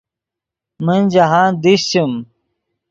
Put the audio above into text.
من جاہند دیشچیم